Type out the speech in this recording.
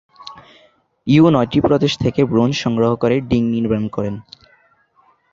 You নয়টি প্রদেশ থেকে ব্রোঞ্জ সংগ্রহ করে ডিং নির্মাণ করেন।